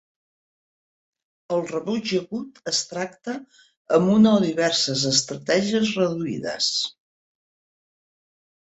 El rebuig agut es tracta amb una o diverses estratègies reduïdes.